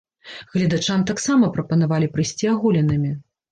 Гледачам таксама прапанавалі прыйсці аголенымі.